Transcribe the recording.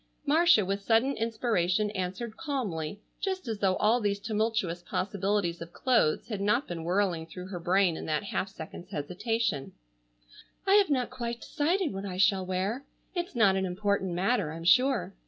Marcia, with sudden inspiration, answered calmly, just as though all these tumultuous possibilities of clothes had not been whirling through her brain in that half second's hesitation: "I have not quite decided what I shall wear. It is not an important matter, I'm sure.